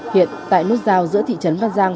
hiện tại nút giao giữa thị trấn văn giang